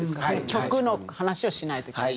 曲の話をしないといけない。